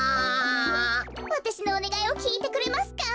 わたしのおねがいをきいてくれますか？